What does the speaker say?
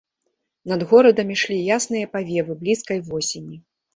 Над горадам ішлі ясныя павевы блізкай восені.